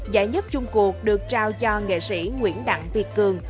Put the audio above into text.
giải nhất chung cuộc được trao cho nghệ sĩ nguyễn đặng việt cường